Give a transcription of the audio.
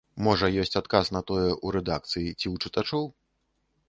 Можа, ёсць адказ на тое ў рэдакцыі ці ў чытачоў?